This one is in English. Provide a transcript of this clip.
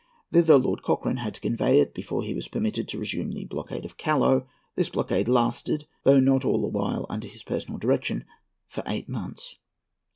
Thither Lord Cochrane had to convey it, before he was permitted to resume the blockade of Callao. This blockade lasted, though not all the while under his personal direction, for eight months.